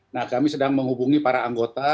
nah kami sedang menghubungi para anggota